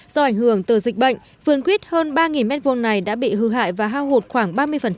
do ảnh hưởng từ dịch bệnh vườn quyết hơn ba m hai này đã bị hư hại và hao hụt khoảng ba mươi